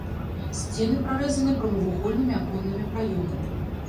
Сцены прарэзаны прамавугольнымі аконнымі праёмамі.